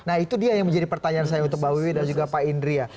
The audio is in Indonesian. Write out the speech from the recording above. nah itu dia yang menjadi pertanyaan saya untuk mbak wiwi dan juga pak indria